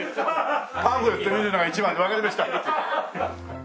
パンフレット見るのが一番わかりました。